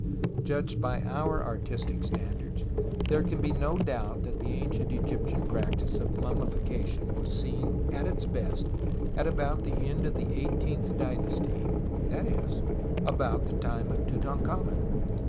Judged by our artistic standards there can be no doubt that the ancient Egyptian practice of mummification was seen at its best at the end of the eighteenth dynasty, that is about the time of Tutankhamen.